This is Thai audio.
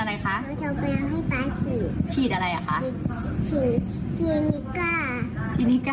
ลงทะเบียนอะไรคะ